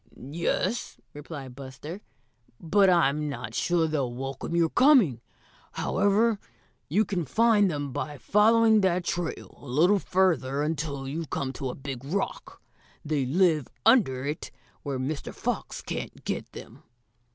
"Yes," replied Buster, "but I'm not sure they'll welcome your coming. However, you can find them by following that trail a little further until you come to a big rock. They live under it where Mr. Fox can't get them."